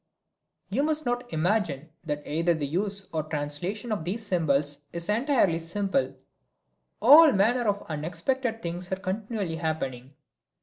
You must not imagine that either the use or the translation of these symbols is entirely simple. All manner of unexpected things are continually happening.